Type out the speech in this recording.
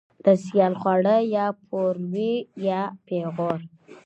ـ د سيال خواړه يا پور وي يا پېغور.